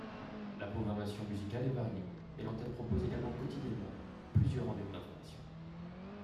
La programmation musicale est variée et l'antenne propose également quotidiennement plusieurs rendez-vous d'informations.